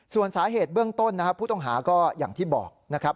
ส่วนสาเหตุเบื้องต้นนะครับผู้ต้องหาก็อย่างที่บอกนะครับ